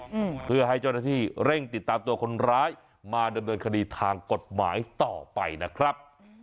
อืมเพื่อให้เจ้าหน้าที่เร่งติดตามตัวคนร้ายมาดำเนินคดีทางกฎหมายต่อไปนะครับ